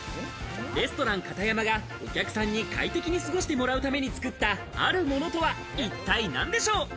レストランカタヤマがお客さんに快適に過ごしてもらうために作った、あるものとは一体何でしょう？